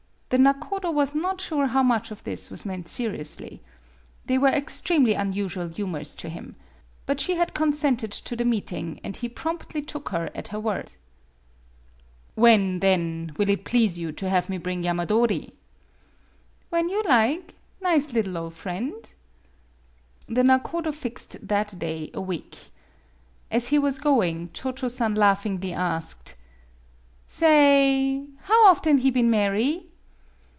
The nakodo was not sure how much of this was meant seriously. They were ex tremely unusual humors to him. But she had consented to the meeting, and he promptly took her at her word. " When, then, will it please you to have me bring Yamadori ?"" When you lig nize liddle ole friend." The nakodo fixed that day a week. As he was going, Cho Cho San laughingly asked :" Sa oy/ How often he been marry